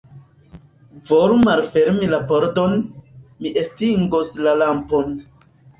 Volu malfermi la pordon; mi estingos la lampon.